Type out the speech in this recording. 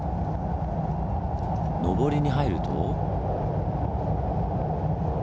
上りに入ると。